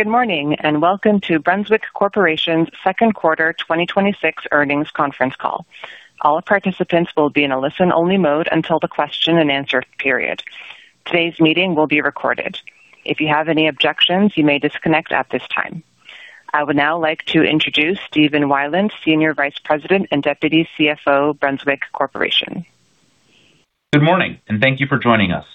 Good morning, and welcome to Brunswick Corporation's second quarter 2026 earnings conference call. All participants will be in a listen-only mode until the question and answer period. Today's meeting will be recorded. If you have any objections, you may disconnect at this time. I would now like to introduce Stephen Weiland, Senior Vice President and Deputy CFO, Brunswick Corporation. Good morning, and thank you for joining us.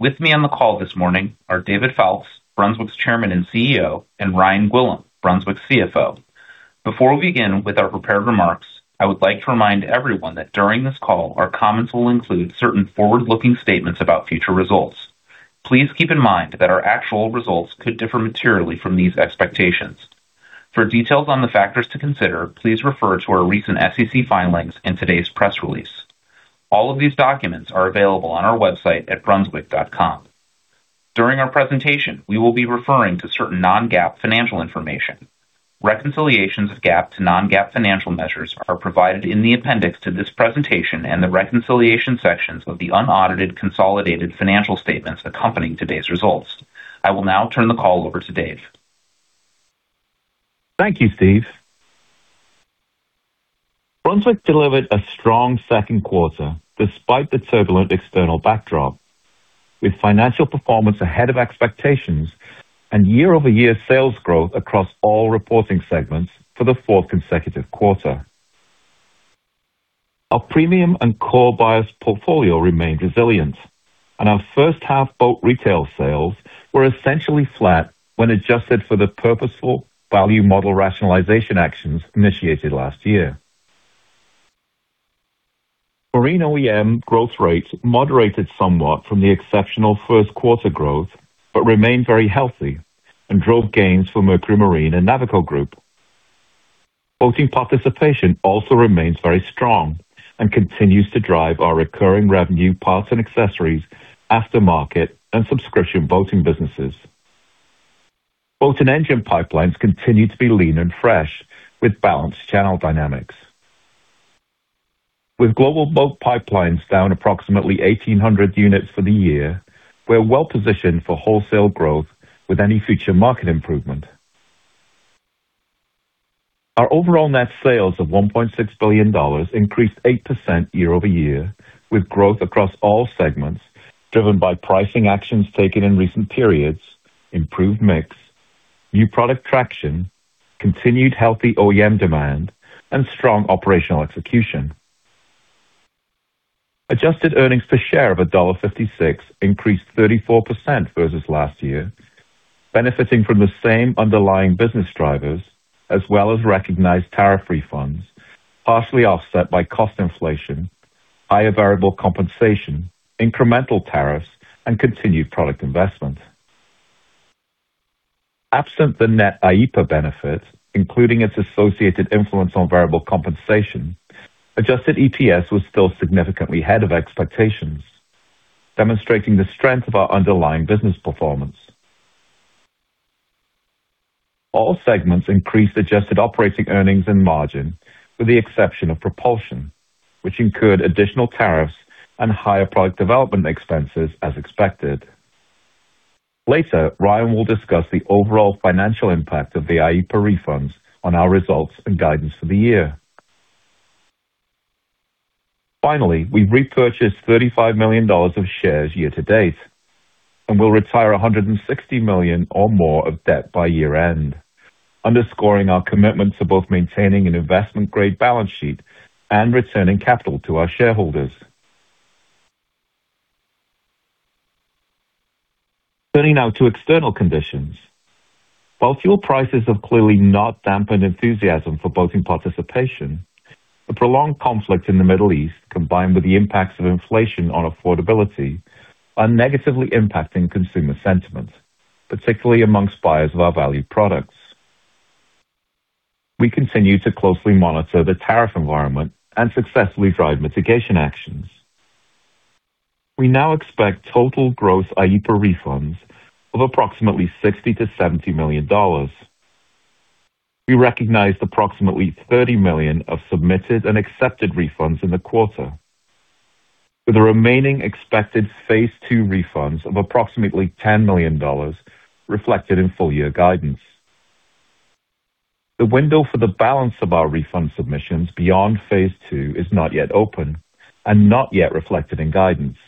With me on the call this morning are David Foulkes, Brunswick's Chairman and CEO, and Ryan Gwillim, Brunswick's CFO. Before we begin with our prepared remarks, I would like to remind everyone that during this call, our comments will include certain forward-looking statements about future results. Please keep in mind that our actual results could differ materially from these expectations. For details on the factors to consider, please refer to our recent SEC filings and today's press release. All of these documents are available on our website at brunswick.com. During our presentation, we will be referring to certain non-GAAP financial information. Reconciliations of GAAP to non-GAAP financial measures are provided in the appendix to this presentation and the reconciliation sections of the unaudited consolidated financial statements accompanying today's results. I will now turn the call over to Dave. Thank you, Steve. Brunswick delivered a strong second quarter despite the turbulent external backdrop, with financial performance ahead of expectations and year-over-year sales growth across all reporting segments for the fourth consecutive quarter. Our premium and core buyers portfolio remained resilient, and our first half boat retail sales were essentially flat when adjusted for the purposeful value model rationalization actions initiated last year. Marine OEM growth rates moderated somewhat from the exceptional first quarter growth, but remained very healthy and drove gains for Mercury Marine and Navico Group. Boating participation also remains very strong and continues to drive our recurring revenue parts and accessories, aftermarket, and subscription boating businesses. Boat and engine pipelines continue to be lean and fresh, with balanced channel dynamics. With global boat pipelines down approximately 1,800 units for the year, we're well-positioned for wholesale growth with any future market improvement. Our overall net sales of $1.6 billion increased 8% year-over-year, with growth across all segments driven by pricing actions taken in recent periods, improved mix, new product traction, continued healthy OEM demand, and strong operational execution. Adjusted earnings per share of $1.56 increased 34% versus last year, benefiting from the same underlying business drivers as well as recognized tariff refunds, partially offset by cost inflation, higher variable compensation, incremental tariffs, and continued product investment. Absent the net IEEPA benefit, including its associated influence on variable compensation, adjusted EPS was still significantly ahead of expectations, demonstrating the strength of our underlying business performance. All segments increased adjusted operating earnings and margin, with the exception of propulsion, which incurred additional tariffs and higher product development expenses as expected. Later, Ryan will discuss the overall financial impact of the IEEPA refunds on our results and guidance for the year. Finally, we've repurchased $35 million of shares year-to-date, and will retire $160 million or more of debt by year-end, underscoring our commitment to both maintaining an investment-grade balance sheet and returning capital to our shareholders. Turning now to external conditions. While fuel prices have clearly not dampened enthusiasm for boating participation, the prolonged conflict in the Middle East, combined with the impacts of inflation on affordability, are negatively impacting consumer sentiment, particularly amongst buyers of our valued products. We continue to closely monitor the tariff environment and successfully drive mitigation actions. We now expect total gross IEEPA refunds of approximately $60 million-$70 million. We recognized approximately $30 million of submitted and accepted refunds in the quarter, with the remaining expected phase two refunds of approximately $10 million reflected in full-year guidance. The window for the balance of our refund submissions beyond phase two is not yet open and not yet reflected in guidance.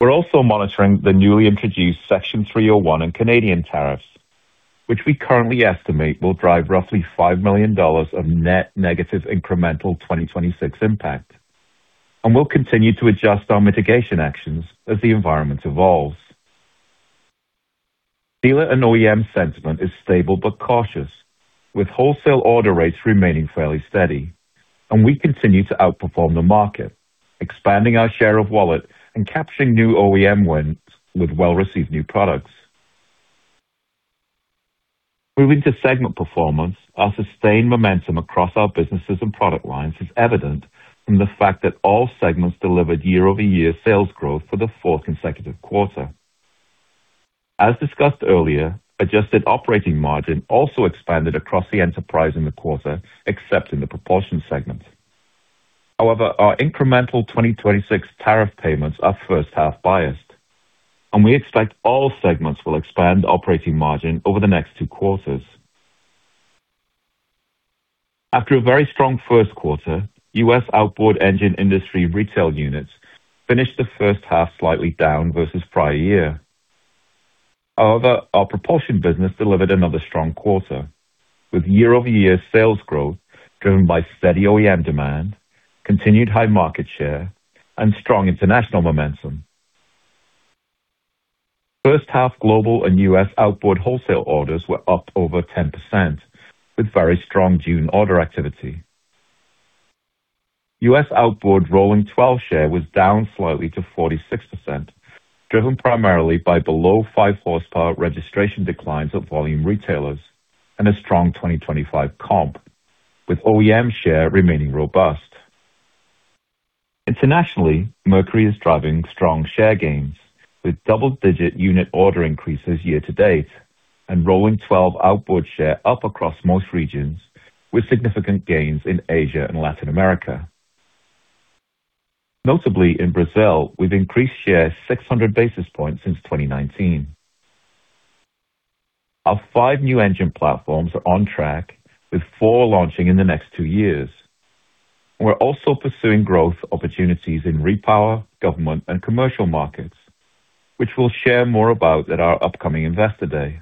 We're also monitoring the newly introduced Section 301 and Canadian tariffs, which we currently estimate will drive roughly $5 million of net negative incremental 2026 impact, and we'll continue to adjust our mitigation actions as the environment evolves. Dealer and OEM sentiment is stable but cautious, with wholesale order rates remaining fairly steady, and we continue to outperform the market, expanding our share of wallet and capturing new OEM wins with well-received new products. Moving to segment performance, our sustained momentum across our businesses and product lines is evident from the fact that all segments delivered year-over-year sales growth for the fourth consecutive quarter. As discussed earlier, adjusted operating margin also expanded across the enterprise in the quarter, except in the propulsion segment. However, our incremental 2026 tariff payments are first-half biased, and we expect all segments will expand operating margin over the next two quarters. After a very strong first quarter, U.S. outboard engine industry retail units finished the first-half slightly down versus prior year. However, our propulsion business delivered another strong quarter, with year-over-year sales growth driven by steady OEM demand, continued high market share, and strong international momentum. First-half global and U.S. outboard wholesale orders were up over 10%, with very strong June order activity. U.S. outboard rolling 12 share was down slightly to 46%, driven primarily by below five horsepower registration declines at volume retailers and a strong 2025 comp, with OEM share remaining robust. Internationally, Mercury is driving strong share gains, with double-digit unit order increases year-to-date and rolling 12 outboard share up across most regions, with significant gains in Asia and Latin America. Notably in Brazil, we've increased share 600 basis points since 2019. Our five new engine platforms are on track, with four launching in the next two years. We're also pursuing growth opportunities in repower, government, and commercial markets, which we'll share more about at our upcoming Investor Day.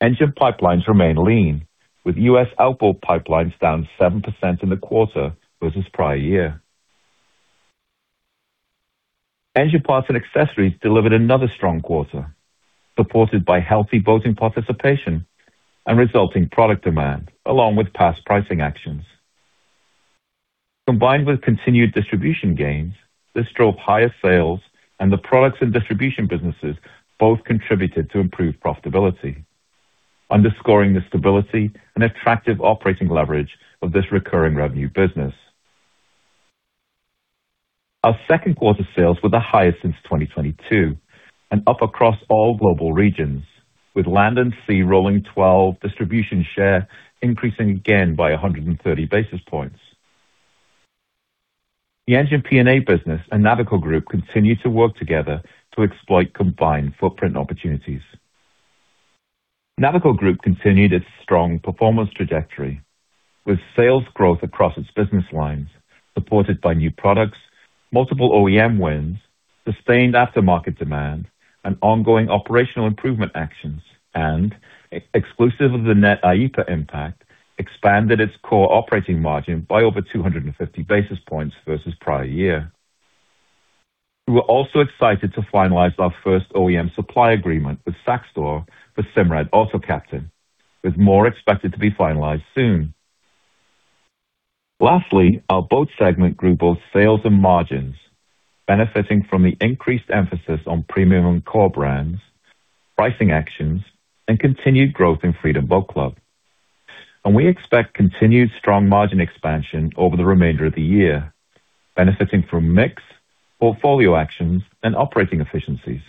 Engine pipelines remain lean, with U.S. outboard pipelines down 7% in the quarter versus prior year. Engine Parts & Accessories delivered another strong quarter, supported by healthy boating participation and resulting product demand, along with past pricing actions. Combined with continued distribution gains, this drove higher sales and the products and distribution businesses both contributed to improved profitability, underscoring the stability and attractive operating leverage of this recurring revenue business. Our second quarter sales were the highest since 2022 and up across all global regions, with Land Sea rolling 12 distribution share increasing again by 130 basis points. The Engine P&A business and Navico Group continue to work together to exploit combined footprint opportunities. Navico Group continued its strong performance trajectory, with sales growth across its business lines supported by new products, multiple OEM wins, sustained aftermarket demand, and ongoing operational improvement actions, exclusive of the net IEEPA impact, expanded its core operating margin by over 250 basis points versus prior year. We were also excited to finalize our first OEM supply agreement with Saxdor for Simrad Autopilot, with more expected to be finalized soon. Lastly, our boat segment grew both sales and margins, benefiting from the increased emphasis on premium core brands, pricing actions, and continued growth in Freedom Boat Club. We expect continued strong margin expansion over the remainder of the year, benefiting from mix, portfolio actions, and operating efficiencies.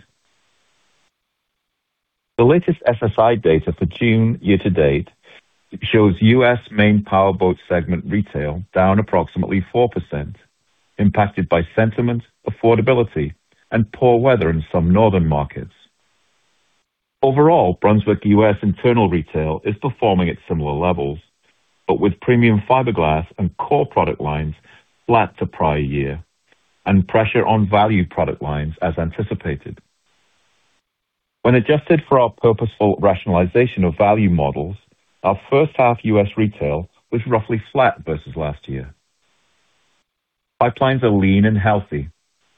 The latest SSI data for June year to date shows U.S. main powerboat segment retail down approximately 4%, impacted by sentiment, affordability, and poor weather in some northern markets. Overall, Brunswick U.S. internal retail is performing at similar levels, but with premium fiberglass and core product lines flat to prior year and pressure on value product lines as anticipated. When adjusted for our purposeful rationalization of value models, our first half U.S. retail was roughly flat versus last year. Pipelines are lean and healthy,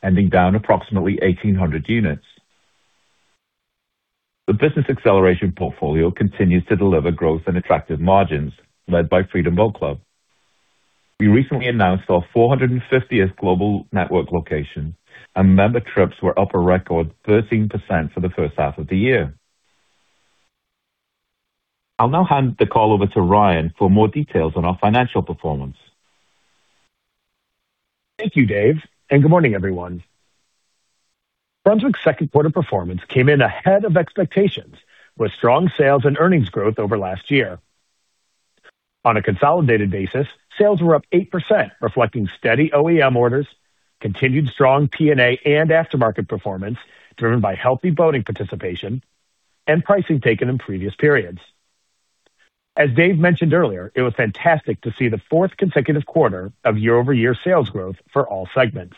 ending down approximately 1,800 units. The business acceleration portfolio continues to deliver growth and attractive margins led by Freedom Boat Club. We recently announced our 450th global network location, and member trips were up a record 13% for the first half of the year. I will now hand the call over to Ryan for more details on our financial performance. Thank you, Dave, and good morning, everyone. Brunswick's second quarter performance came in ahead of expectations, with strong sales and earnings growth over last year. On a consolidated basis, sales were up 8%, reflecting steady OEM orders, continued strong P&A and aftermarket performance driven by healthy boating participation and pricing taken in previous periods. As Dave mentioned earlier, it was fantastic to see the fourth consecutive quarter of year-over-year sales growth for all segments.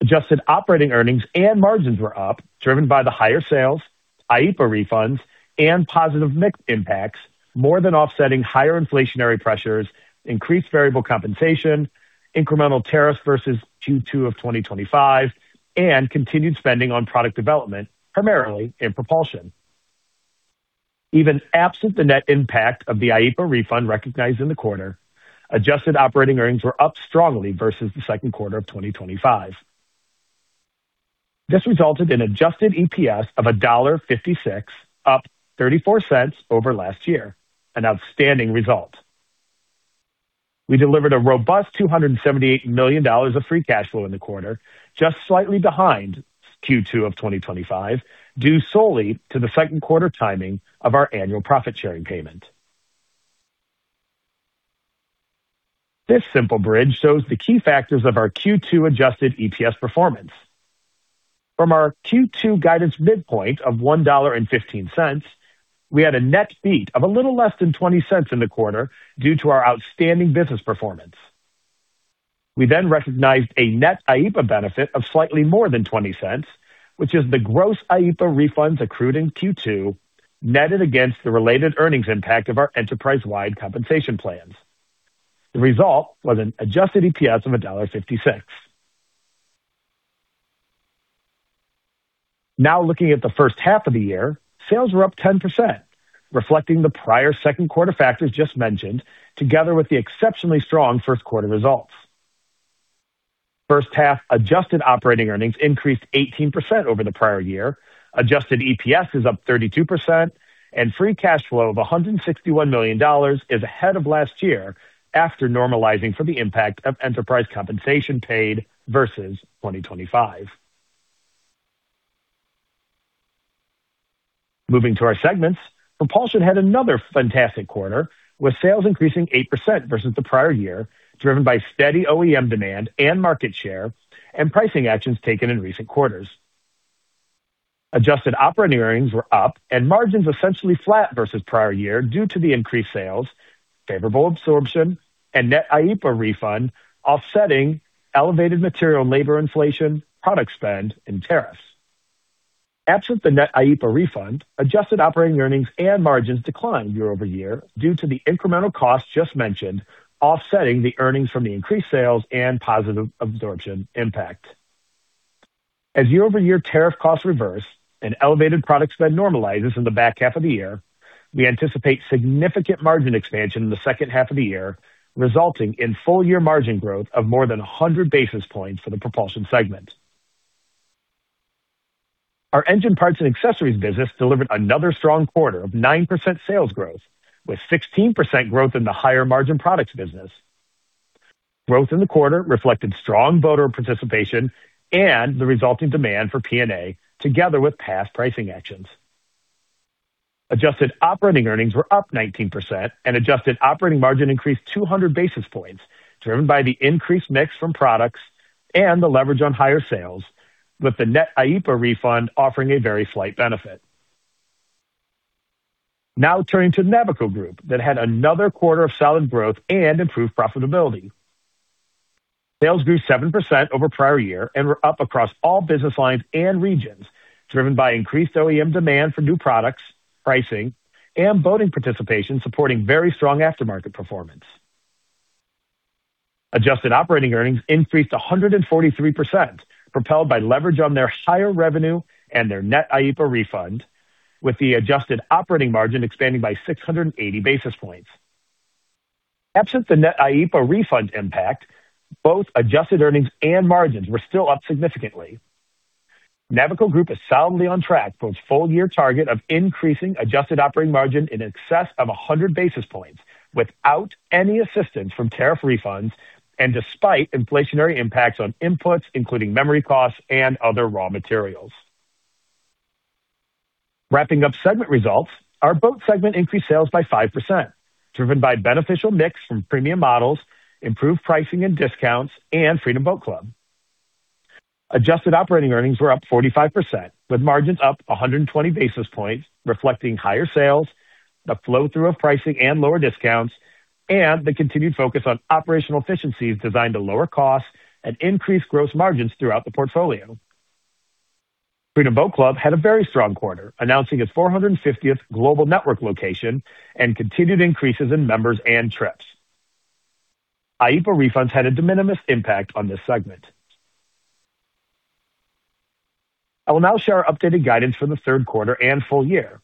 Adjusted operating earnings and margins were up, driven by the higher sales, IEEPA refunds, and positive mix impacts, more than offsetting higher inflationary pressures, increased variable compensation, incremental tariffs versus Q2 of 2025, and continued spending on product development, primarily in propulsion. Even absent the net impact of the IEEPA refund recognized in the quarter, adjusted operating earnings were up strongly versus the second quarter of 2025. This resulted in adjusted EPS of $1.56, up $0.34 over last year, an outstanding result. We delivered a robust $278 million of free cash flow in the quarter, just slightly behind Q2 of 2025 due solely to the second quarter timing of our annual profit-sharing payment. This simple bridge shows the key factors of our Q2 adjusted EPS performance. From our Q2 guidance midpoint of $1.15, we had a net beat of a little less than $0.20 in the quarter due to our outstanding business performance. We then recognized a net IEEPA benefit of slightly more than $0.20, which is the gross IEEPA refunds accrued in Q2, netted against the related earnings impact of our enterprise-wide compensation plans. The result was an adjusted EPS of $1.56. Looking at the first half of the year, sales were up 10%, reflecting the prior second quarter factors just mentioned, together with the exceptionally strong first quarter results. First half adjusted operating earnings increased 18% over the prior year, adjusted EPS is up 32%, and free cash flow of $161 million is ahead of last year after normalizing for the impact of enterprise compensation paid versus 2025. Moving to our segments, Propulsion had another fantastic quarter, with sales increasing 8% versus the prior year, driven by steady OEM demand and market share and pricing actions taken in recent quarters. Adjusted operating earnings were up and margins essentially flat versus prior year due to the increased sales, favorable absorption, and net IEEPA refund offsetting elevated material labor inflation, product spend, and tariffs. Absent the net IEEPA refund, adjusted operating earnings and margins declined year-over-year due to the incremental costs just mentioned offsetting the earnings from the increased sales and positive absorption impact. As year-over-year tariff costs reverse and elevated product spend normalizes in the back half of the year, we anticipate significant margin expansion in the second half of the year, resulting in full year margin growth of more than 100 basis points for the Propulsion segment. Our Engine Parts & Accessories business delivered another strong quarter of 9% sales growth, with 16% growth in the higher margin products business. Growth in the quarter reflected strong boater participation and the resulting demand for P&A, together with past pricing actions. Adjusted operating earnings were up 19% and adjusted operating margin increased 200 basis points, driven by the increased mix from products and the leverage on higher sales, with the net IEEPA refund offering a very slight benefit. Turning to Navico Group that had another quarter of solid growth and improved profitability. Sales grew 7% over prior year and were up across all business lines and regions, driven by increased OEM demand for new products, pricing, and boating participation supporting very strong aftermarket performance. Adjusted operating earnings increased 143%, propelled by leverage on their higher revenue and their net IEEPA refund, with the adjusted operating margin expanding by 680 basis points. Absent the net IEEPA refund impact, both adjusted earnings and margins were still up significantly. Navico Group is solidly on track for its full-year target of increasing adjusted operating margin in excess of 100 basis points without any assistance from tariff refunds and despite inflationary impacts on inputs, including memory costs and other raw materials. Wrapping up segment results, our Boat segment increased sales by 5%, driven by beneficial mix from premium models, improved pricing and discounts, and Freedom Boat Club. Adjusted operating earnings were up 45%, with margins up 120 basis points, reflecting higher sales, the flow-through of pricing and lower discounts, and the continued focus on operational efficiencies designed to lower costs and increase gross margins throughout the portfolio. Freedom Boat Club had a very strong quarter, announcing its 450th global network location and continued increases in members and trips. IEEPA refunds had a de minimis impact on this segment. I will now share our updated guidance for the third quarter and full year.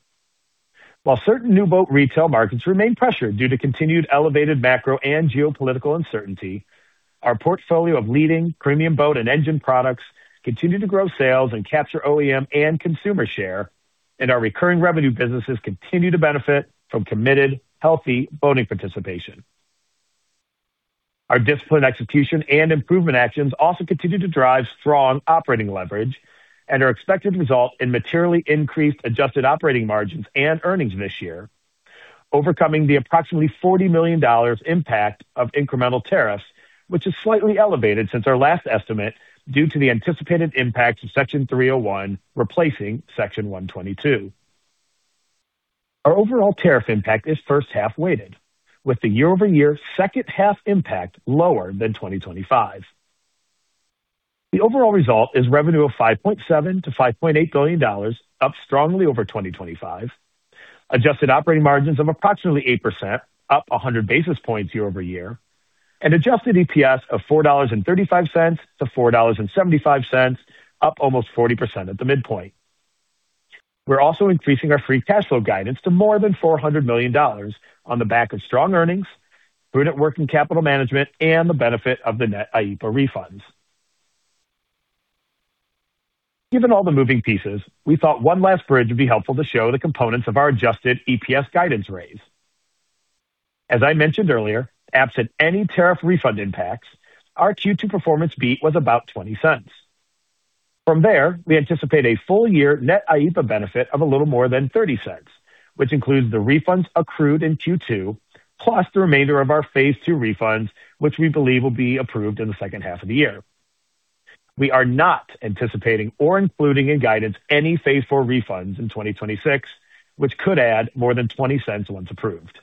While certain new boat retail markets remain pressured due to continued elevated macro and geopolitical uncertainty, our portfolio of leading premium boat and engine products continue to grow sales and capture OEM and consumer share, and our recurring revenue businesses continue to benefit from committed healthy boating participation. Our disciplined execution and improvement actions also continue to drive strong operating leverage and are expected to result in materially increased adjusted operating margins and earnings this year, overcoming the approximately $40 million impact of incremental tariffs, which is slightly elevated since our last estimate due to the anticipated impact of Section 301 replacing Section 232. Our overall tariff impact is first half weighted, with the year-over-year second half impact lower than 2025. The overall result is revenue of $5.7 billion-$5.8 billion, up strongly over 2025. Adjusted operating margins of approximately 8%, up 100 basis points year-over-year, and adjusted EPS of $4.35-$4.75, up almost 40% at the midpoint. We are also increasing our free cash flow guidance to more than $400 million on the back of strong earnings, prudent working capital management, and the benefit of the net IEEPA refunds. Given all the moving pieces, we thought one last bridge would be helpful to show the components of our adjusted EPS guidance raise. As I mentioned earlier, absent any tariff refund impacts, our Q2 performance beat was about $0.20. From there, we anticipate a full year net IEEPA benefit of a little more than $0.30, which includes the refunds accrued in Q2, plus the remainder of our phase two refunds, which we believe will be approved in the second half of the year. We are not anticipating or including in guidance any phase four refunds in 2026, which could add more than $0.20 once approved.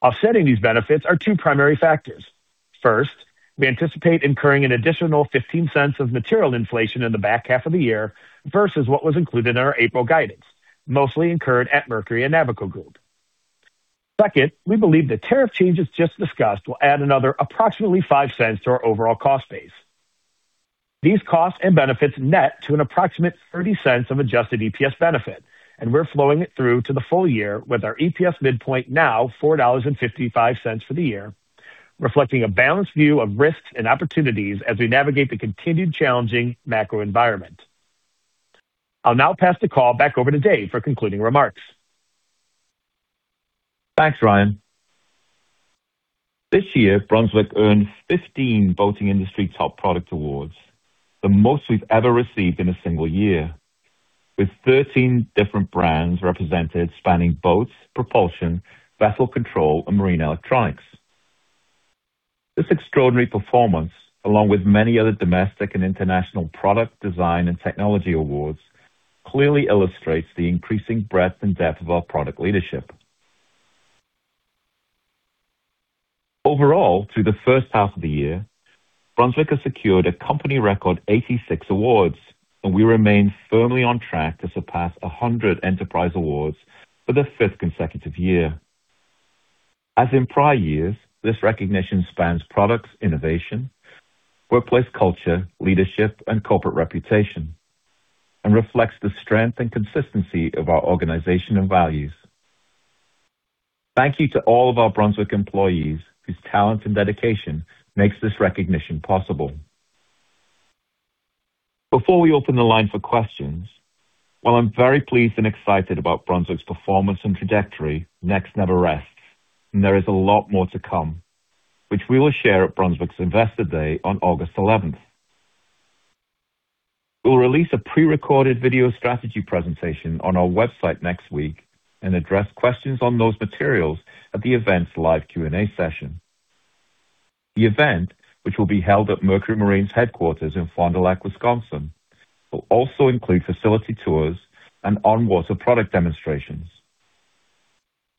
Offsetting these benefits are two primary factors. First, we anticipate incurring an additional $0.15 of material inflation in the back half of the year versus what was included in our April guidance, mostly incurred at Mercury and Navico Group. Second, we believe the tariff changes just discussed will add another approximately $0.50 to our overall cost base. These costs and benefits net to an approximate $0.30 of adjusted EPS benefit, and we are flowing it through to the full year with our EPS midpoint now $4.55 for the year, reflecting a balanced view of risks and opportunities as we navigate the continued challenging macro environment. I will now pass the call back over to Dave for concluding remarks. Thanks, Ryan. This year, Brunswick earned 15 boating industry top product awards, the most we have ever received in a single year, with 13 different brands represented spanning boats, propulsion, vessel control, and marine electronics. This extraordinary performance, along with many other domestic and international product design and technology awards, clearly illustrates the increasing breadth and depth of our product leadership. Overall, through the first half of the year, Brunswick has secured a company record 86 awards, and we remain firmly on track to surpass 100 enterprise awards for the fifth consecutive year. As in prior years, this recognition spans products innovation, workplace culture, leadership, and corporate reputation, and reflects the strength and consistency of our organization and values. Thank you to all of our Brunswick employees whose talent and dedication makes this recognition possible. Before we open the line for questions, while I'm very pleased and excited about Brunswick Corporation's performance and trajectory, next never rests, and there is a lot more to come, which we will share at Brunswick Corporation's Investor Day on August 11th. We'll release a prerecorded video strategy presentation on our website next week and address questions on those materials at the event's live Q&A session. The event, which will be held at Mercury Marine's headquarters in Fond du Lac, Wisconsin, will also include facility tours and on-water product demonstrations.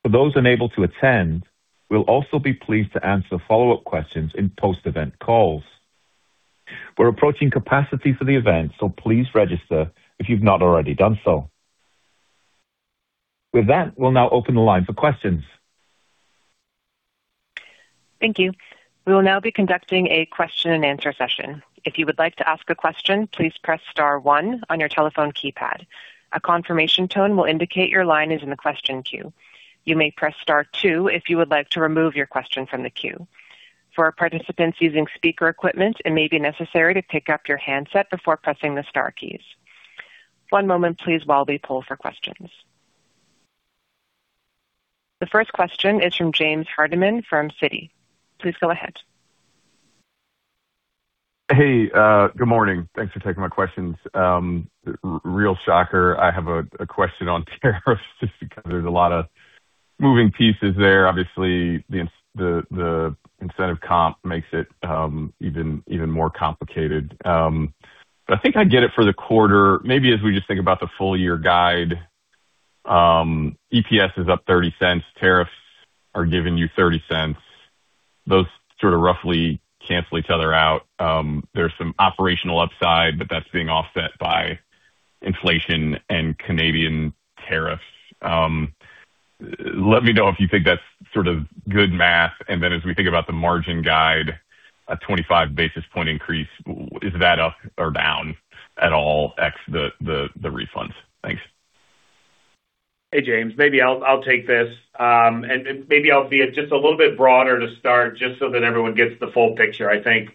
For those unable to attend, we'll also be pleased to answer follow-up questions in post-event calls. We're approaching capacity for the event, so please register if you've not already done so. With that, we'll now open the line for questions. Thank you. We will now be conducting a question and answer session. If you would like to ask a question, please press star one on your telephone keypad. A confirmation tone will indicate your line is in the question queue. You may press star two if you would like to remove your question from the queue. For participants using speaker equipment, it may be necessary to pick up your handset before pressing the star keys. One moment please while we poll for questions. The first question is from James Hardiman from Citi. Please go ahead. Hey, good morning. Thanks for taking my questions. Real shocker. I have a question on tariffs just because there's a lot of moving pieces there. Obviously, the incentive comp makes it even more complicated. I think I get it for the quarter. Maybe as we just think about the full year guide, EPS is up $0.30. Tariffs are giving you $0.30. Those sort of roughly cancel each other out. There's some operational upside, but that's being offset by inflation and Canadian tariffs. Let me know if you think that's sort of good math. As we think about the margin guide, a 25 basis point increase, is that up or down at all ex the refunds? Thanks. Hey, James. Maybe I'll take this. Maybe I'll be just a little bit broader to start just so that everyone gets the full picture. I think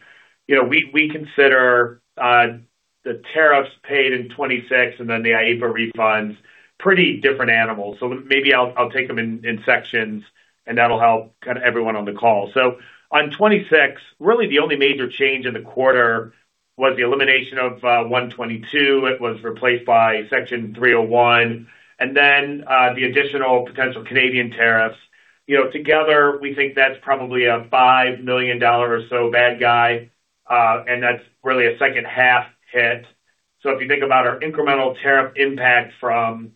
we consider the tariffs paid in 2026 and then the IEEPA refunds pretty different animals. Maybe I'll take them in sections, and that'll help kind of everyone on the call. On 2026, really the only major change in the quarter was the elimination of 122. It was replaced by Section 301, and then the additional potential Canadian tariffs. Together, we think that's probably a $5 million or so bad guy, and that's really a second half hit. If you think about our incremental tariff impact from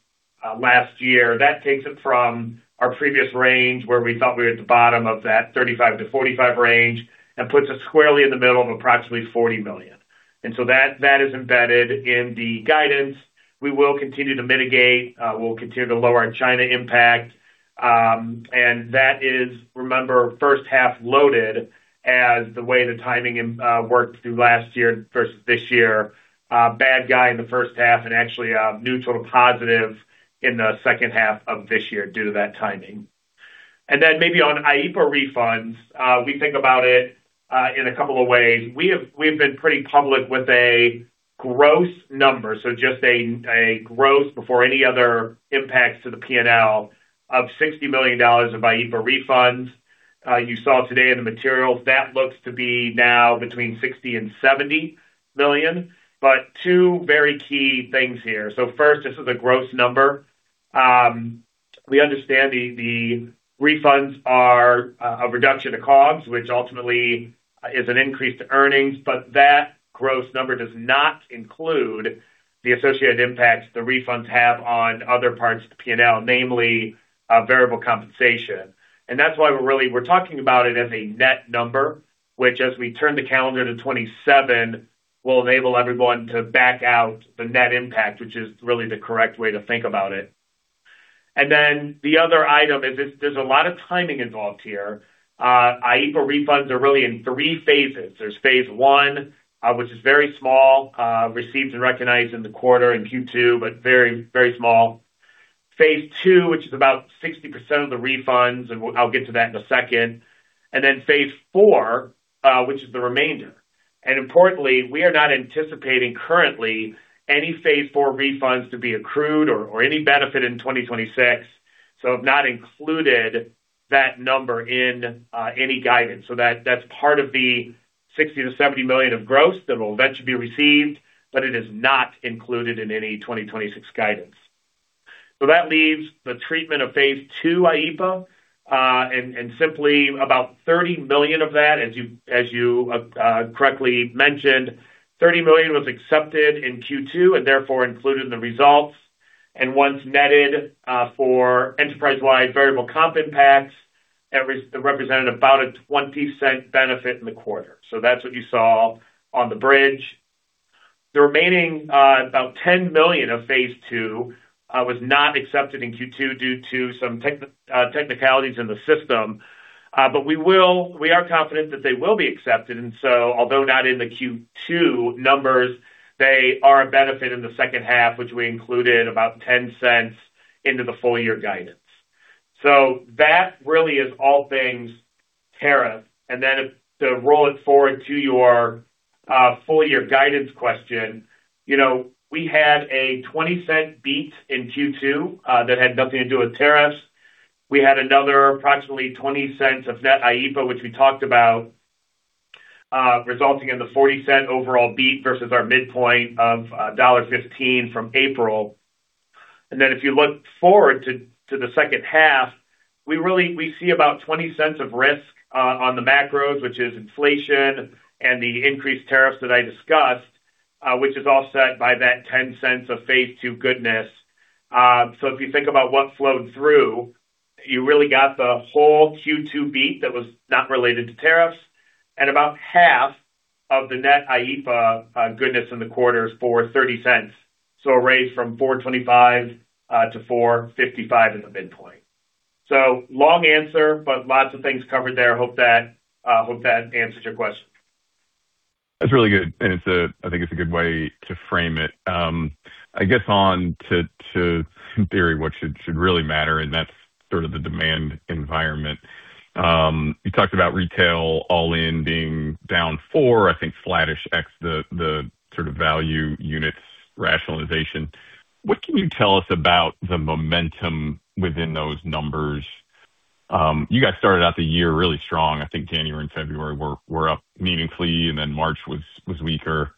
last year, that takes it from our previous range where we thought we were at the bottom of that $35 million-$45 million range and puts us squarely in the middle of approximately $40 million. That is embedded in the guidance. We will continue to mitigate. We'll continue to lower our China impact. That is, remember, first half loaded as the way the timing worked through last year versus this year. Bad guy in the first half and actually a neutral positive in the second half of this year due to that timing. Maybe on IEEPA refunds, we think about it in a couple of ways. We've been pretty public with Gross numbers. Just a gross before any other impacts to the P&L of $60 million of IEEPA refunds. You saw today in the materials that looks to be now between $60 million and $70 million. Two very key things here. First, this is a gross number. We understand the refunds are a reduction of COGS, which ultimately is an increase to earnings, but that gross number does not include the associated impacts the refunds have on other parts of the P&L, namely variable compensation. That's why we're talking about it as a net number, which as we turn the calendar to 2027, will enable everyone to back out the net impact, which is really the correct way to think about it. The other item is there's a lot of timing involved here. IEEPA refunds are really in three phases. There's phase one, which is very small, received and recognized in the quarter in Q2, but very small. Phase two, which is about 60% of the refunds, and I'll get to that in a second. Phase four, which is the remainder. Importantly, we are not anticipating currently any phase four refunds to be accrued or any benefit in 2026. Have not included that number in any guidance. That's part of the $60 million to $70 million of gross that will eventually be received, but it is not included in any 2026 guidance. That leaves the treatment of phase two IEEPA, simply about $30 million of that, as you correctly mentioned, $30 million was accepted in Q2 and therefore included in the results. Once netted for enterprise-wide variable comp impacts, it represented about a 20% benefit in the quarter. That's what you saw on the bridge. The remaining, about $10 million of phase two, was not accepted in Q2 due to some technicalities in the system. We are confident that they will be accepted, although not in the Q2 numbers, they are a benefit in the second half, which we included about $0.10 into the full year guidance. That really is all things tariff. To roll it forward to your full year guidance question. We had a $0.20 beat in Q2, that had nothing to do with tariffs. We had another approximately $0.20 of net IEEPA, which we talked about, resulting in the $0.40 overall beat versus our midpoint of $1.15 from April. If you look forward to the second half, we see about $0.20 of risk on the macros, which is inflation and the increased tariffs that I discussed, which is offset by that $0.10 of phase two goodness. If you think about what flowed through, you really got the whole Q2 beat that was not related to tariffs and about half of the net IEEPA goodness in the quarter is for $0.30. A raise from $4.25 to $4.55 in the midpoint. Long answer, but lots of things covered there. Hope that answers your question. That's really good. I think it's a good way to frame it. I guess on to theory what should really matter, and that's sort of the demand environment. You talked about retail all in being down four, I think flattish ex the sort of value units rationalization. What can you tell us about the momentum within those numbers? You guys started out the year really strong. I think January and February were up meaningfully, then March was weaker.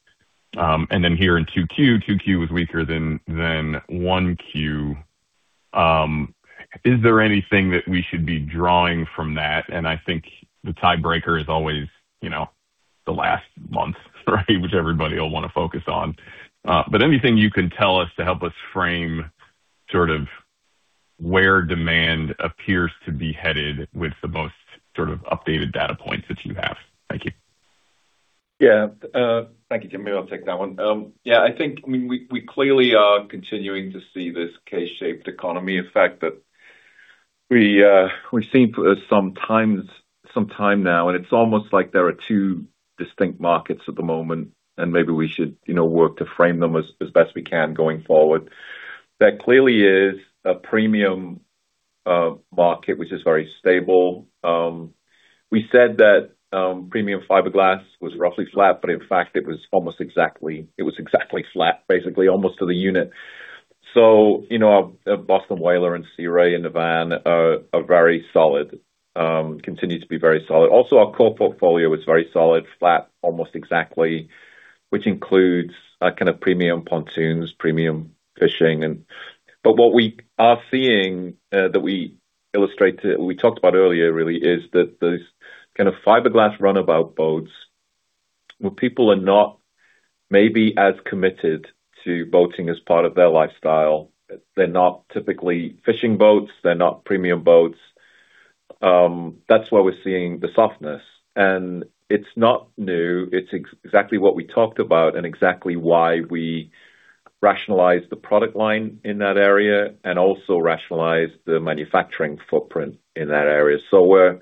Here in Q2 was weaker than 1Q. Is there anything that we should be drawing from that? I think the tiebreaker is always the last month, right? Which everybody will want to focus on. Anything you can tell us to help us frame sort of where demand appears to be headed with the most sort of updated data points that you have. Thank you. Thank you, Jimmy. I'll take that one. I think we clearly are continuing to see this K-shaped economy effect that we've seen for some time now, and it's almost like there are two distinct markets at the moment, and maybe we should work to frame them as best we can going forward. There clearly is a premium market which is very stable. We said that premium fiberglass was roughly flat, but in fact it was exactly flat, basically almost to the unit. Boston Whaler and Sea Ray and Navan are very solid. Continue to be very solid. Also, our core portfolio is very solid, flat almost exactly, which includes kind of premium pontoons, premium fishing. What we are seeing that we talked about earlier really, is that those kind of fiberglass runabout boats where people are not maybe as committed to boating as part of their lifestyle. They're not typically fishing boats. They're not premium boats. That's where we're seeing the softness. It's not new. It's exactly what we talked about and exactly why we rationalize the product line in that area and also rationalize the manufacturing footprint in that area. We're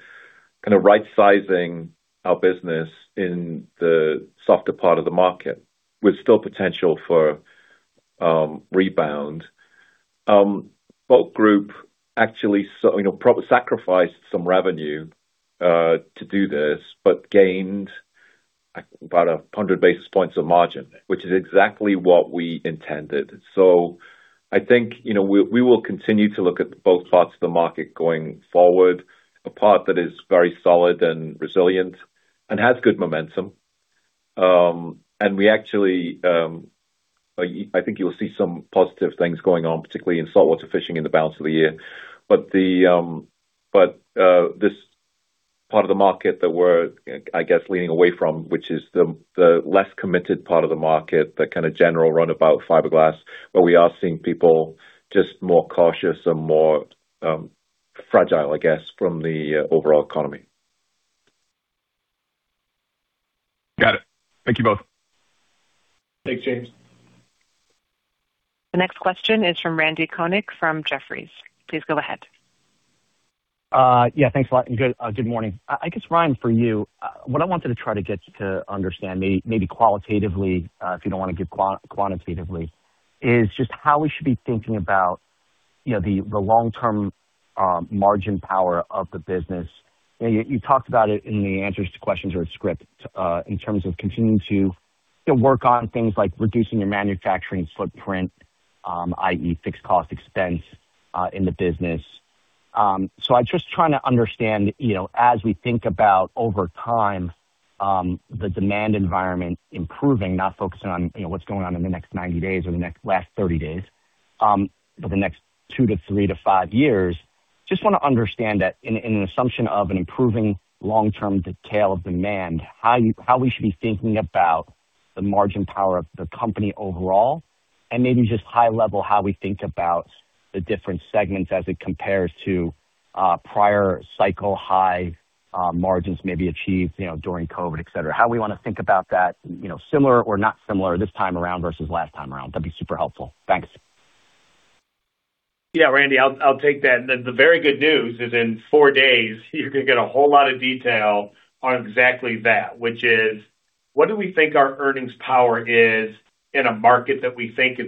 kind of right sizing our business in the softer part of the market with still potential for rebound. Boat Group actually probably sacrificed some revenue to do this, but gained about 100 basis points of margin, which is exactly what we intended. I think, we will continue to look at both parts of the market going forward. A part that is very solid and resilient and has good momentum. I think you'll see some positive things going on, particularly in saltwater fishing in the balance of the year. This part of the market that we're, I guess, leaning away from, which is the less committed part of the market, that kind of general runabout fiberglass, where we are seeing people just more cautious and more fragile, I guess, from the overall economy. Got it. Thank you both. Thanks, James. The next question is from Randy Konik from Jefferies. Please go ahead. Yeah, thanks a lot, and good morning. I guess, Ryan, for you, what I wanted to try to get to understand, maybe qualitatively, if you don't want to give quantitatively, is just how we should be thinking about the long-term margin power of the business. You talked about it in the answers to questions or script, in terms of continuing to work on things like reducing your manufacturing footprint, i.e., fixed cost expense in the business. I'm just trying to understand, as we think about over time, the demand environment improving, not focusing on what's going on in the next 90 days or the last 30 days, but the next two to three to five years. Just want to understand that in an assumption of an improving long-term detail of demand, how we should be thinking about the margin power of the company overall, and maybe just high level, how we think about the different segments as it compares to prior cycle high margins maybe achieved during COVID, et cetera. How we want to think about that, similar or not similar this time around versus last time around? That'd be super helpful. Thanks. Yeah, Randy, I'll take that. The very good news is in four days, you're going to get a whole lot of detail on exactly that, which is what do we think our earnings power is in a market that we think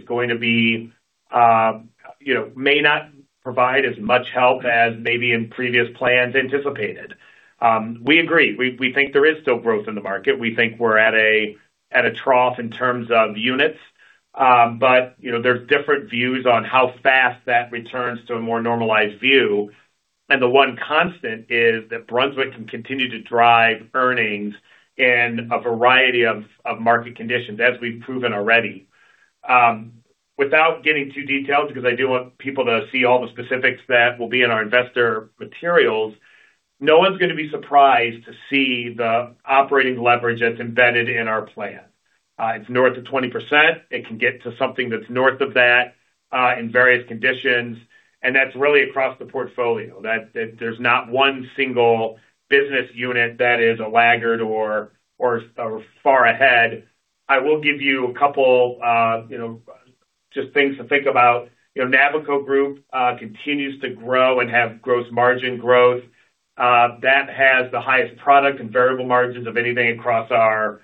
may not provide as much help as maybe in previous plans anticipated. We agree. We think there is still growth in the market. We think we're at a trough in terms of units. There's different views on how fast that returns to a more normalized view. The one constant is that Brunswick can continue to drive earnings in a variety of market conditions, as we've proven already. Without getting too detailed, because I do want people to see all the specifics that will be in our investor materials, no one's going to be surprised to see the operating leverage that's embedded in our plan. It's north of 20%. It can get to something that's north of that in various conditions, and that's really across the portfolio. There's not one single business unit that is a laggard or far ahead. I will give you a couple just things to think about. Navico Group continues to grow and have gross margin growth. That has the highest product and variable margins of anything across our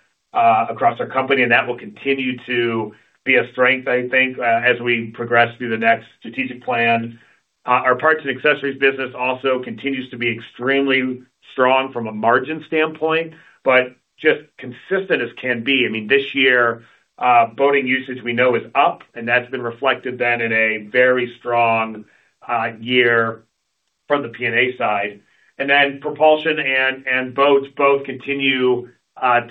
company, and that will continue to be a strength, I think, as we progress through the next strategic plan. Our parts and accessories business also continues to be extremely strong from a margin standpoint, but just consistent as can be. This year, boating usage we know is up, and that's been reflected then in a very strong year from the P&A side. Propulsion and boats both continue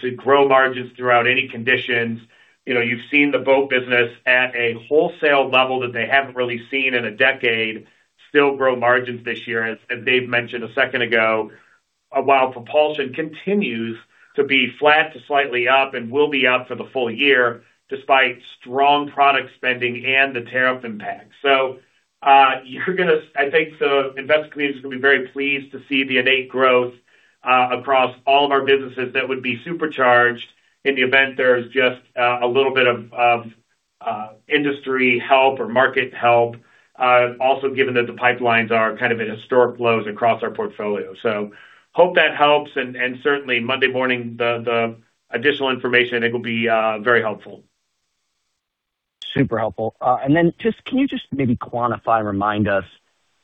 to grow margins throughout any conditions. You've seen the boat business at a wholesale level that they haven't really seen in a decade still grow margins this year, as Dave mentioned a second ago, while propulsion continues to be flat to slightly up and will be up for the full year despite strong product spending and the tariff impact. I think the investor community is going to be very pleased to see the innate growth across all of our businesses that would be supercharged in the event there's just a little bit of industry help or market help. Also given that the pipelines are kind of at historic lows across our portfolio. Hope that helps, and certainly Monday morning, the additional information, it will be very helpful. Super helpful. Then can you just maybe quantify or remind us,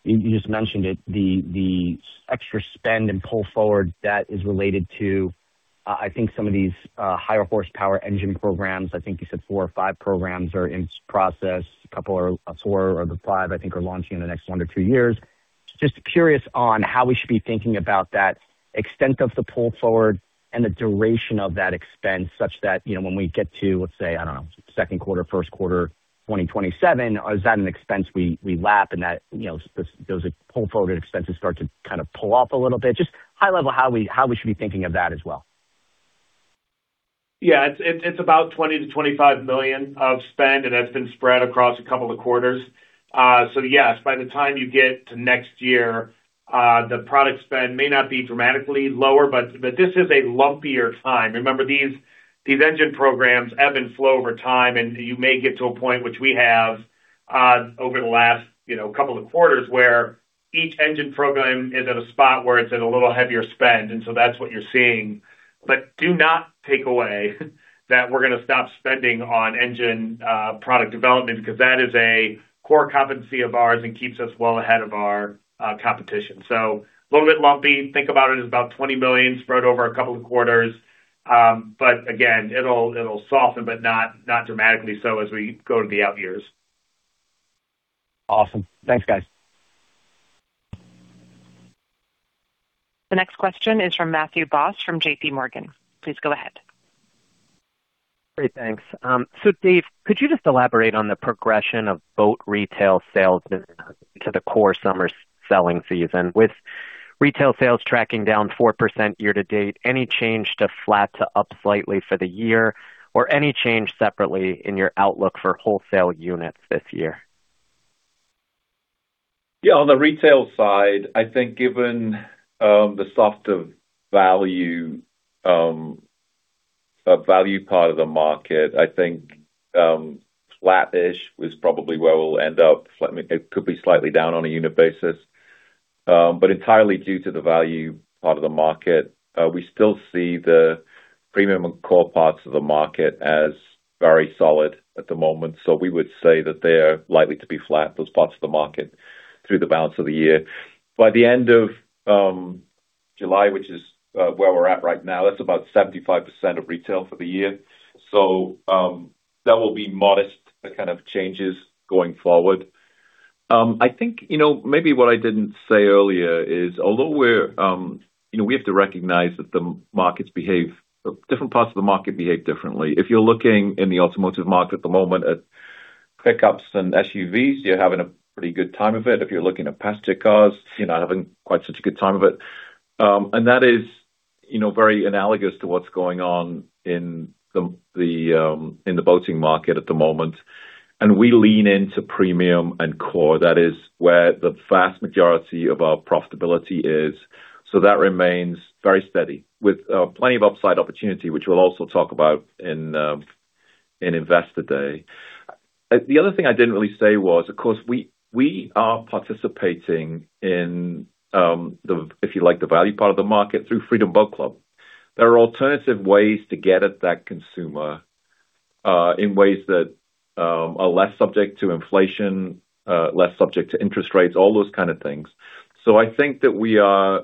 you just mentioned it, the extra spend and pull forward that is related to, I think, some of these higher horsepower engine programs. I think you said four or five programs are in process. A couple or four of the five, I think, are launching in the next one to two years. Just curious on how we should be thinking about that extent of the pull forward and the duration of that expense, such that when we get to, let's say, I don't know, second quarter, first quarter 2027, is that an expense we lap and those pull forwarded expenses start to kind of pull off a little bit? Just high level how we should be thinking of that as well. It's about $20 million-$25 million of spend, and that's been spread across a couple of quarters. Yes, by the time you get to next year, the product spend may not be dramatically lower, this is a lumpier time. Remember, these engine programs ebb and flow over time, and you may get to a point which we have over the last couple of quarters where each engine program is at a spot where it's at a little heavier spend, that's what you're seeing. Do not take away that we're going to stop spending on engine product development because that is a core competency of ours and keeps us well ahead of our competition. A little bit lumpy. Think about it as about $20 million spread over a couple of quarters. Again, it'll soften not dramatically so as we go to the out years. Awesome. Thanks, guys. The next question is from Matthew Boss, from JPMorgan. Please go ahead. Great. Thanks. Dave, could you just elaborate on the progression of boat retail sales into the core summer selling season? With retail sales tracking down 4% year-to-date, any change to flat to up slightly for the year? Any change separately in your outlook for wholesale units this year? On the retail side, I think given the softer value part of the market, I think flattish is probably where we'll end up. It could be slightly down on a unit basis. Entirely due to the value part of the market. We still see the premium and core parts of the market as very solid at the moment. We would say that they're likely to be flat, those parts of the market, through the balance of the year. By the end of July, which is where we're at right now, that's about 75% of retail for the year. That will be modest kind of changes going forward. I think maybe what I didn't say earlier is, although we have to recognize that different parts of the market behave differently. If you're looking in the automotive market at the moment at pickups and SUVs, you're having a pretty good time of it. If you're looking at passenger cars, you're not having quite such a good time of it. That is very analogous to what's going on in the boating market at the moment. We lean into premium and core. That is where the vast majority of our profitability is. That remains very steady with plenty of upside opportunity, which we'll also talk about in Investor Day. The other thing I didn't really say was, of course, we are participating in, if you like, the value part of the market through Freedom Boat Club. There are alternative ways to get at that consumer, in ways that are less subject to inflation, less subject to interest rates, all those kind of things. I think that we are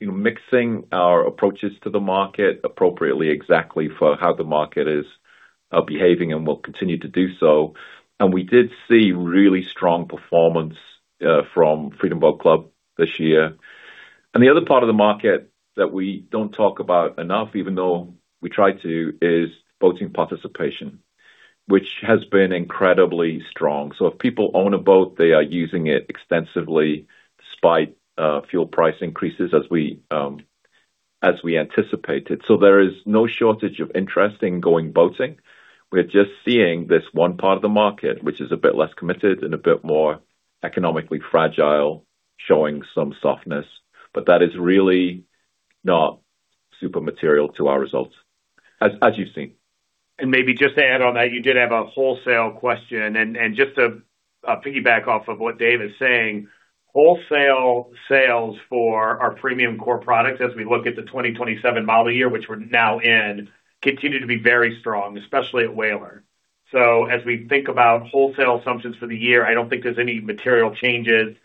mixing our approaches to the market appropriately, exactly for how the market is behaving and will continue to do so. We did see really strong performance from Freedom Boat Club this year. The other part of the market that we don't talk about enough, even though we try to, is boating participation, which has been incredibly strong. If people own a boat, they are using it extensively despite fuel price increases as we anticipated. There is no shortage of interest in going boating. We're just seeing this one part of the market, which is a bit less committed and a bit more economically fragile, showing some softness. That is really not super material to our results, as you've seen. Maybe just to add on that, you did have a wholesale question and just to piggyback off of what Dave is saying, wholesale sales for our premium core products as we look at the 2027 model year, which we're now in, continue to be very strong, especially at Whaler. As we think about wholesale assumptions for the year, I don't think there's any material changes.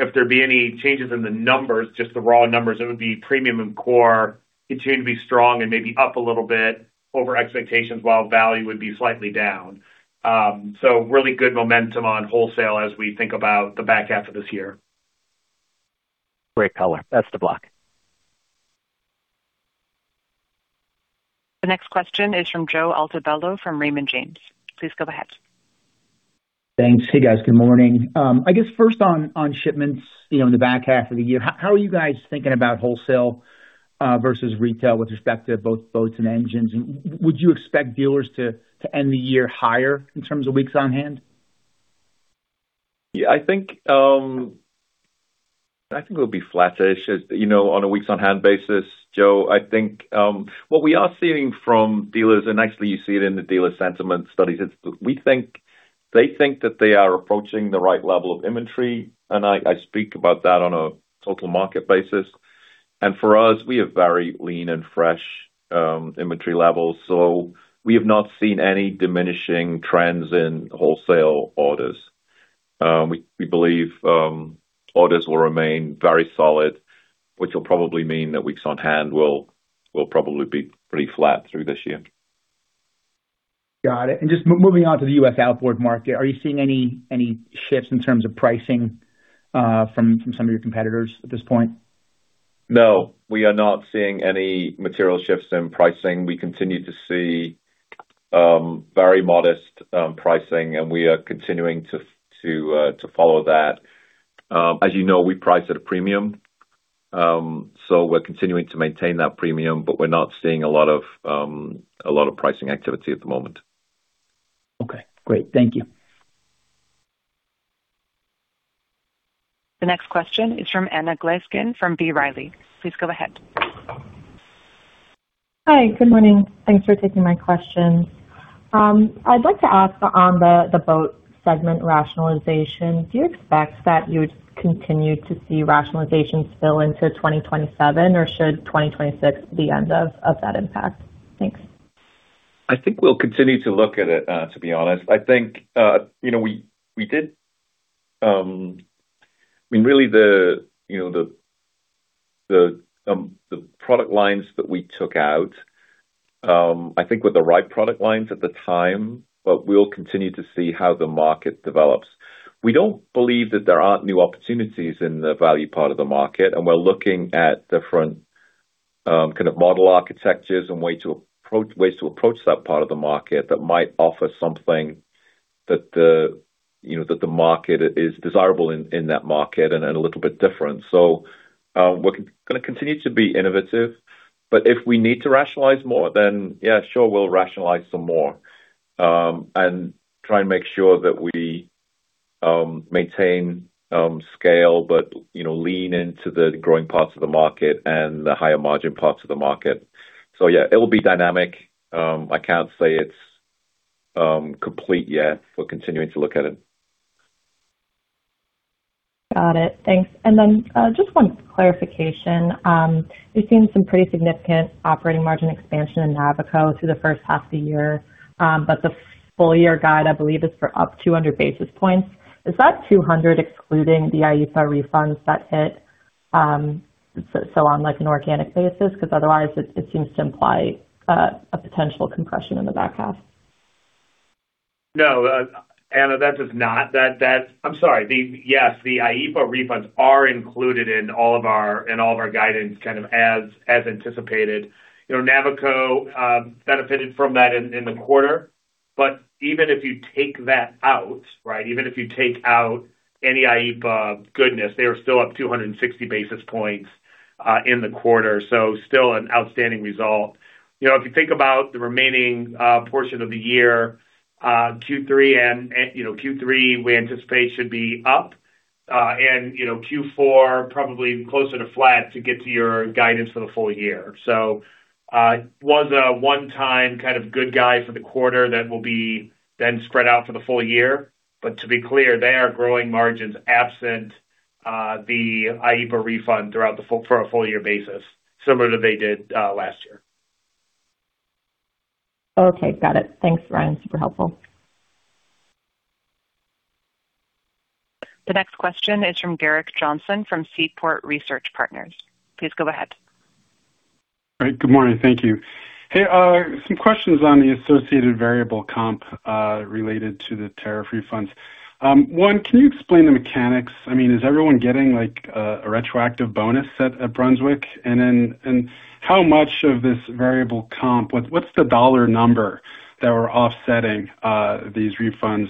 If there'd be any changes in the numbers, just the raw numbers, it would be premium and core continue to be strong and maybe up a little bit over expectations while value would be slightly down. Really good momentum on wholesale as we think about the back half of this year. Great color. That's the block. The next question is from Joe Altobello from Raymond James. Please go ahead. Thanks. Hey, guys. Good morning. I guess first on shipments, in the back half of the year, how are you guys thinking about wholesale versus retail with respect to both boats and engines? Would you expect dealers to end the year higher in terms of weeks on hand? Yeah, I think it'll be flattish as on a weeks on hand basis, Joe. I think what we are seeing from dealers, and actually you see it in the dealer sentiment studies, is they think that they are approaching the right level of inventory, and I speak about that on a total market basis. For us, we have very lean and fresh inventory levels, so we have not seen any diminishing trends in wholesale orders. We believe orders will remain very solid, which will probably mean that weeks on hand will probably be pretty flat through this year. Got it. Just moving on to the U.S. outboard market, are you seeing any shifts in terms of pricing from some of your competitors at this point? No. We are not seeing any material shifts in pricing. We continue to see very modest pricing. We are continuing to follow that. As you know, we price at a premium. We're continuing to maintain that premium, but we're not seeing a lot of pricing activity at the moment. Okay, great. Thank you. The next question is from Anna Glaessgen of B. Riley. Please go ahead. Hi, good morning. Thanks for taking my questions. I'd like to ask on the Boat segment rationalization, do you expect that you would continue to see rationalization spill into 2027, or should 2026 be the end of that impact? Thanks. I think we'll continue to look at it, to be honest. I think we did. Really, the product lines that we took out, I think were the right product lines at the time, but we'll continue to see how the market develops. We don't believe that there aren't new opportunities in the value part of the market, and we're looking at different kind of model architectures and ways to approach that part of the market that might offer something desirable in that market and a little bit different. We're going to continue to be innovative, but if we need to rationalize more, then yeah, sure, we'll rationalize some more, and try and make sure that we maintain scale, but lean into the growing parts of the market and the higher margin parts of the market. Yeah, it'll be dynamic. I can't say it's complete yet. We're continuing to look at it. Got it. Thanks. Just one clarification. We've seen some pretty significant operating margin expansion in Navico through the first half of the year. The full-year guide, I believe, is for up 200 basis points. Is that 200 excluding the IEEPA refunds that hit, so on an organic basis? Because otherwise it seems to imply a potential compression in the back half. No, Anna, that is not. I'm sorry. Yes, the IEEPA refunds are included in all of our guidance, kind of as anticipated. Navico benefited from that in the quarter. Even if you take that out, right, even if you take out any IEEPA goodness, they are still up 260 basis points in the quarter. Still an outstanding result. If you think about the remaining portion of the year, Q3 we anticipate should be up. Q4 probably closer to flat to get to your guidance for the full year. It was a one-time kind of good guy for the quarter that will be then spread out for the full year. To be clear, they are growing margins absent the IEEPA refund for a full-year basis, similar to they did last year. Okay. Got it. Thanks, Ryan. Super helpful. The next question is from Gerrick Johnson of Seaport Research Partners. Please go ahead. All right. Good morning. Thank you. Hey, some questions on the associated variable comp related to the tariff refunds. One, can you explain the mechanics? Is everyone getting a retroactive bonus at Brunswick? How much of this variable comp, what's the dollar number that we're offsetting these refunds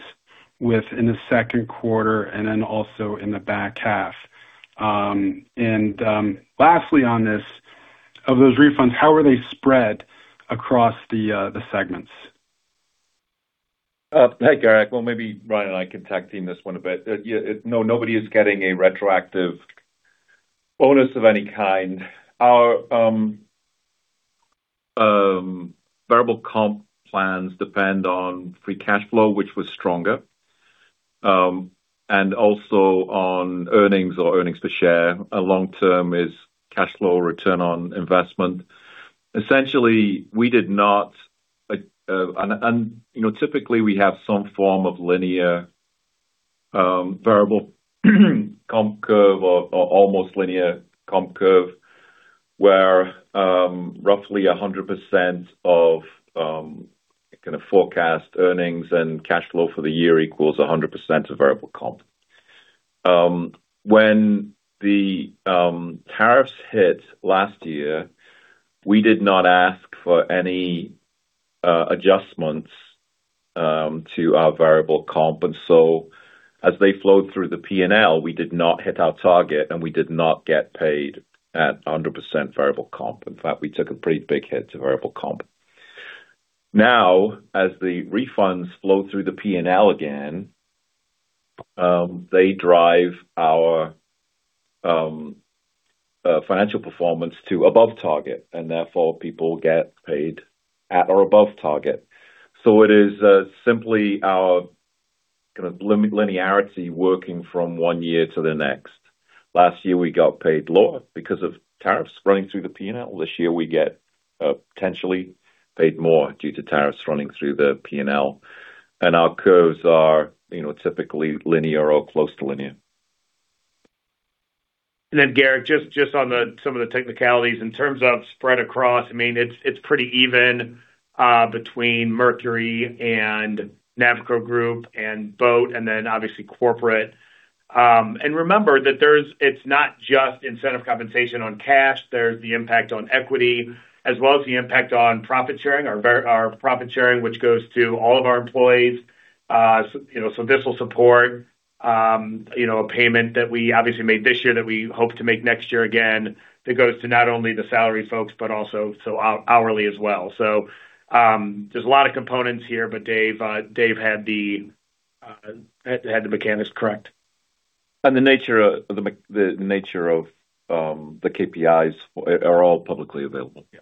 with in the second quarter and then also in the back half? Lastly on this, of those refunds, how are they spread across the segments? Hey, Gerrick. Well, maybe Ryan and I can tag team this one a bit. No, nobody is getting a retroactive bonus of any kind. Our variable comp plans depend on free cash flow, which was stronger, and also on earnings or earnings per share. Long term is cash flow return on investment. Essentially, and typically we have some form of linear variable comp curve or almost linear comp curve, where roughly 100% of kind of forecast earnings and cash flow for the year equals 100% of variable comp. When the tariffs hit last year, we did not ask for any adjustments to our variable comp. As they flowed through the P&L, we did not hit our target, and we did not get paid at 100% variable comp. In fact, we took a pretty big hit to variable comp. As the refunds flow through the P&L again, they drive our financial performance to above target, and therefore people get paid at or above target. It is simply our kind of linearity working from one year to the next. Last year, we got paid lower because of tariffs running through the P&L. This year, we get potentially paid more due to tariffs running through the P&L. Our curves are typically linear or close to linear. Gerrick, just on some of the technicalities in terms of spread across, it's pretty even between Mercury and Navico Group and Boat and then obviously corporate. Remember that it's not just incentive compensation on cash, there's the impact on equity as well as the impact on profit sharing. Our profit sharing, which goes to all of our employees. This will support a payment that we obviously made this year that we hope to make next year again, that goes to not only the salary folks, but also hourly as well. There's a lot of components here, but Dave had the mechanics correct. The nature of the KPIs are all publicly available. Yeah.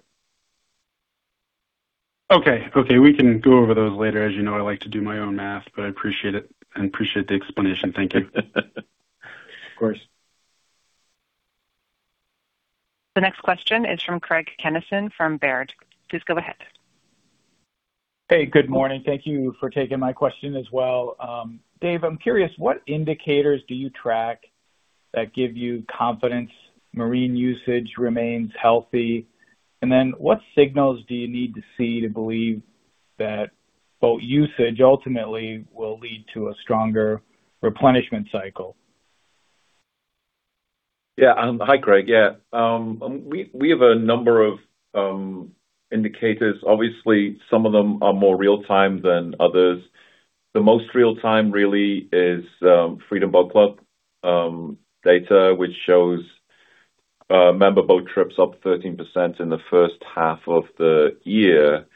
Okay. We can go over those later. As you know, I like to do my own math, but I appreciate it and appreciate the explanation. Thank you. Of course. The next question is from Craig Kennison from Baird. Please go ahead. Hey, good morning. Thank you for taking my question as well. Dave, I'm curious, what indicators do you track that give you confidence marine usage remains healthy? Then what signals do you need to see to believe that boat usage ultimately will lead to a stronger replenishment cycle? Yeah. Hi, Craig. Yeah. We have a number of indicators. Obviously, some of them are more real-time than others. The most real-time really is Freedom Boat Club data, which shows member boat trips up 13% in the first half of the year.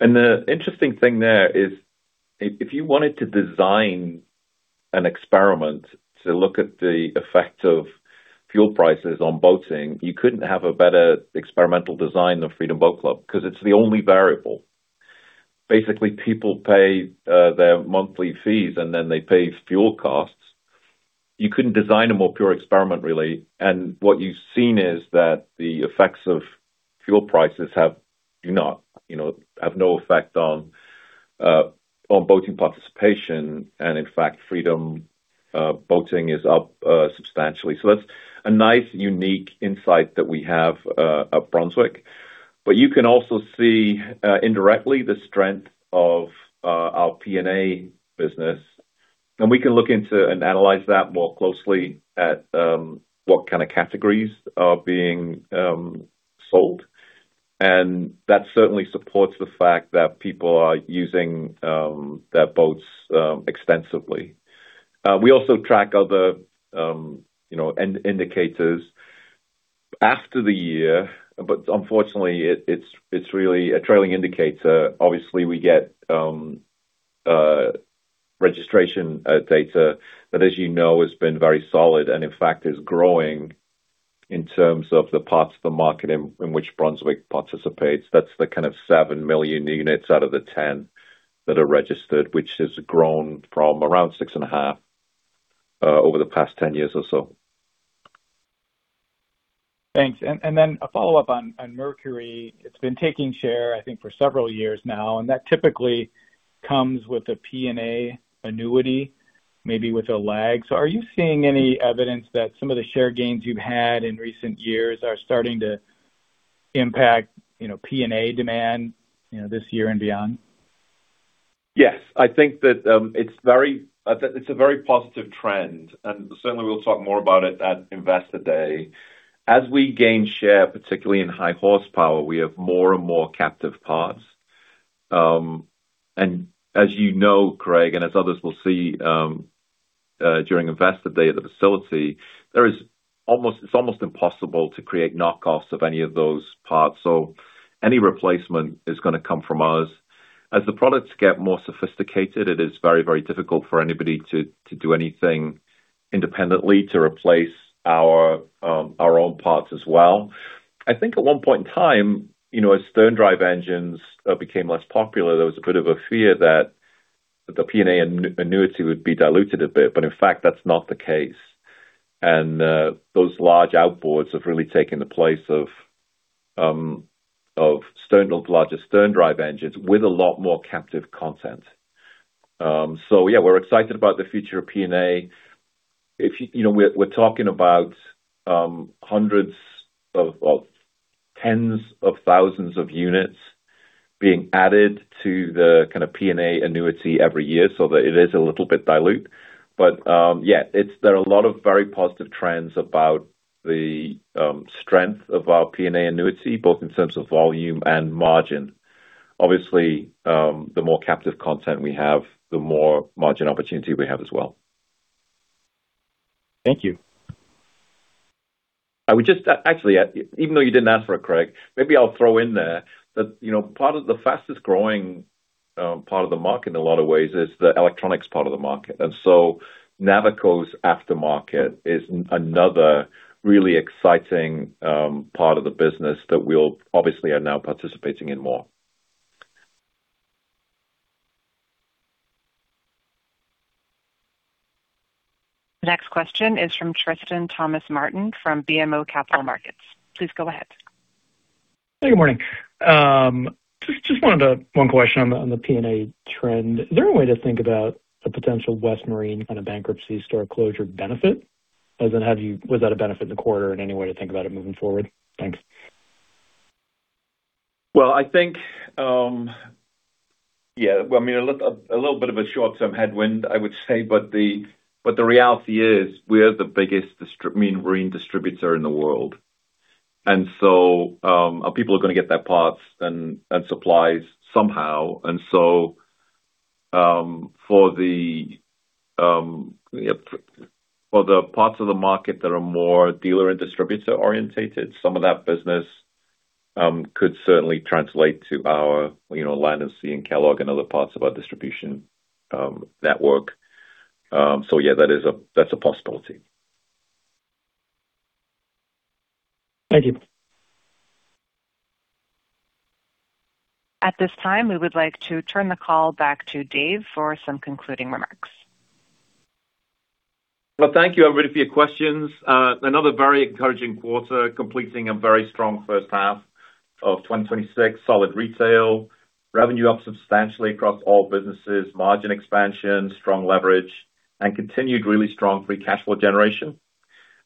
The interesting thing there is, if you wanted to design an experiment to look at the effect of fuel prices on boating, you couldn't have a better experimental design than Freedom Boat Club, because it's the only variable. Basically, people pay their monthly fees, and then they pay fuel costs. You couldn't design a more pure experiment, really. What you've seen is that the effects of fuel prices have no effect on boating participation. In fact, Freedom boating is up substantially. That's a nice unique insight that we have at Brunswick. You can also see, indirectly, the strength of our P&A business. We can look into and analyze that more closely at what kind of categories are being sold. That certainly supports the fact that people are using their boats extensively. We also track other indicators after the year, but unfortunately, it's really a trailing indicator. Obviously, we get registration data that, as you know, has been very solid and, in fact, is growing in terms of the parts of the market in which Brunswick participates. That's the kind of seven million units out of the 10 that are registered, which has grown from around six and a half over the past 10 years or so. Thanks. A follow-up on Mercury. It's been taking share, I think, for several years now, and that typically comes with a P&A annuity, maybe with a lag. Are you seeing any evidence that some of the share gains you've had in recent years are starting to impact P&A demand this year and beyond? Yes. I think that it's a very positive trend, and certainly, we'll talk more about it at Investor Day. As we gain share, particularly in high horsepower, we have more and more captive parts. As you know, Craig, and as others will see during Investor Day at the facility, it's almost impossible to create knockoffs of any of those parts. Any replacement is going to come from us. As the products get more sophisticated, it is very, very difficult for anybody to do anything independently to replace our own parts as well. I think at one point in time, as stern drive engines became less popular, there was a bit of a fear that the P&A annuity would be diluted a bit, but in fact, that's not the case. Those large outboards have really taken the place of larger stern drive engines with a lot more captive content. Yeah, we're excited about the future of P&A. We're talking about hundreds of tens of thousands of units being added to the kind of P&A annuity every year, so that it is a little bit dilute. Yeah, there are a lot of very positive trends about the strength of our P&A annuity, both in terms of volume and margin. Obviously, the more captive content we have, the more margin opportunity we have as well. Thank you. Actually, even though you didn't ask for it, Craig, maybe I'll throw in there that the fastest growing part of the market in a lot of ways is the electronics part of the market. Navico's aftermarket is another really exciting part of the business that we obviously are now participating in more. Next question is from Tristan Thomas-Martin from BMO Capital Markets. Please go ahead. Hey, good morning. Just wanted one question on the P&A trend. Is there a way to think about the potential West Marine kind of bankruptcy store closure benefit? As in, was that a benefit in the quarter in any way to think about it moving forward? Thanks. I think a little bit of a short-term headwind, I would say. The reality is we are the biggest marine distributor in the world. Our people are going to get their parts and supplies somehow. For the parts of the market that are more dealer and distributor oriented, some of that business could certainly translate to our Land Sea and Kellogg and other parts of our distribution network. Yeah, that's a possibility. Thank you. At this time, we would like to turn the call back to Dave for some concluding remarks. Thank you, everybody, for your questions. Another very encouraging quarter, completing a very strong first half of 2026. Solid retail, revenue up substantially across all businesses, margin expansion, strong leverage, and continued really strong free cash flow generation.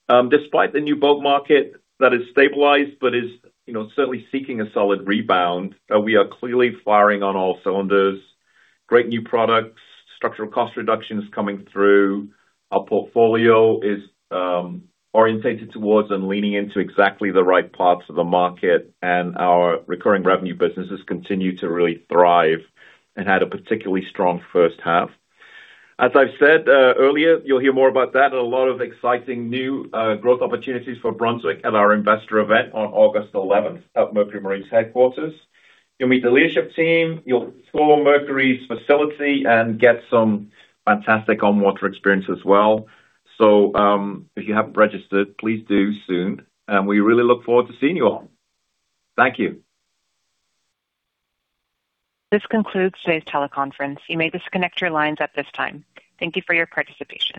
Despite the new boat market that has stabilized but is certainly seeking a solid rebound, we are clearly firing on all cylinders. Great new products, structural cost reductions coming through. Our portfolio is oriented towards and leaning into exactly the right parts of the market, and our recurring revenue businesses continue to really thrive and had a particularly strong first half. As I've said earlier, you'll hear more about that and a lot of exciting new growth opportunities for Brunswick at our investor event on August 11th at Mercury Marine's headquarters. You'll meet the leadership team, you'll tour Mercury's facility, and get some fantastic on-water experience as well. If you haven't registered, please do soon, and we really look forward to seeing you all. Thank you. This concludes today's teleconference. You may disconnect your lines at this time. Thank you for your participation.